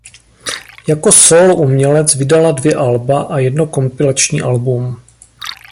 Jako sólo umělec vydala dvě alba a jedno kompilační album.